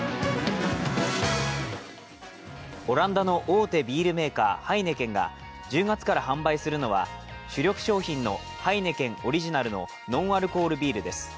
オランダの大手ビールメーカーハイネケンが１０月から販売するのは主力商品のハイネケンオリジナルのノンアルコールビールです。